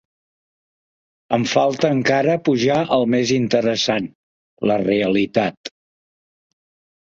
Em falta encara pujar al més interessant: la realitat.